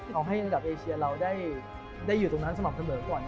ขอให้ภาพเอเชียเราได้อยู่ตรงนั้นสมัครเผินก่อน